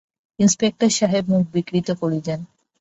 Inspector সাহেব মুখ বিকৃত করলেন।